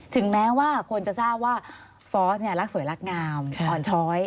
ถึงแม้ว่าคนจะทราบว่าฟอร์สเนี่ยรักสวยรักงามอ่อนช้อย